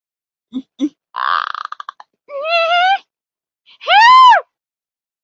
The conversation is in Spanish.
Bajo su mando, el hospital comenzó a ganar reconocimiento mundial en la medicina.